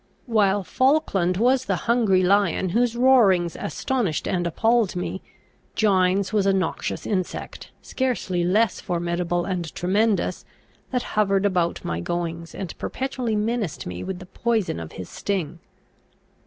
While Falkland was the hungry lion whose roarings astonished and appalled me, Gines was a noxious insect, scarcely less formidable and tremendous, that hovered about my goings, and perpetually menaced me with the poison of his sting.